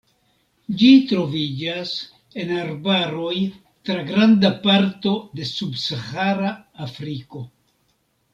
Ĝi troviĝas en arbaroj tra granda parto de subsahara Afriko.